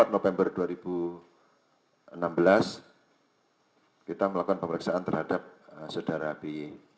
dua puluh empat november dua ribu enam belas kita melakukan pemeriksaan terhadap saudara bi